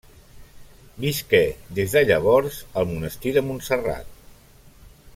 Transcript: Visqué, des de llavors, al monestir de Montserrat.